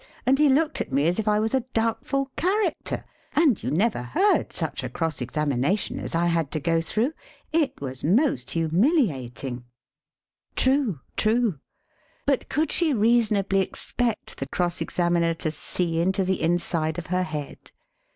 And he looked at me as if I was a doubtful character, and you never heard such a cross examination as I had to go through! It was most humiliating." SOME AXIOMS ABOUT WAR WORK 27 True! True! But could she reasonably ex pect the cross examiner to see into the inside pf her head?